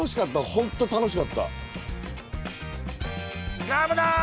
本当楽しかった。